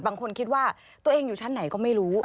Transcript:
คิดว่าตัวเองอยู่ชั้นไหนก็ไม่รู้